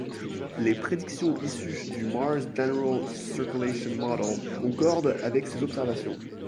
Les prédictions issues du Mars General Circulation Model concordent avec ces observations.